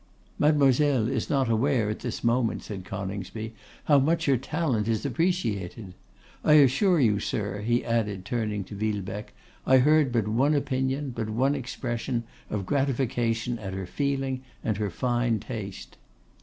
'Mademoiselle is not aware at this moment,' said Coningsby, 'how much her talent is appreciated. I assure you, sir,' he added, turning to Villebecque, 'I heard but one opinion, but one expression of gratification at her feeling and her fine taste.